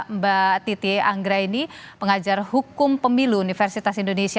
dan juga mbak titi anggraini pengajar hukum pemilu universitas indonesia